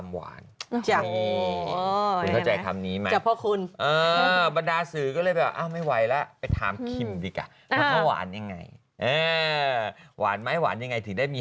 หวานไหมหวานยังไงถึงได้มี